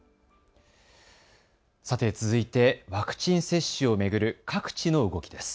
さて続いてワクチン接種を巡る各地の動きです。